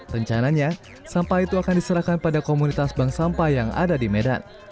rencananya sampah itu akan diserahkan pada komunitas bank sampah yang ada di medan